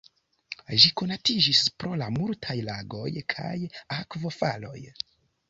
Ĝi konatiĝis pro la multaj lagoj kaj akvofaloj.